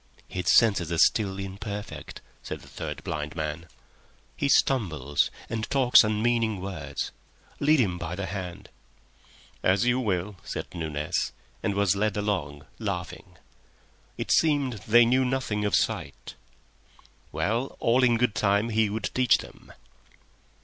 "His senses are still imperfect," said the third blind man. "He stumbles, and talks unmeaning words. Lead him by the hand." "As you will," said Nunez, and was led along laughing. It seemed they knew nothing of sight. Well, all in good time he would teach them.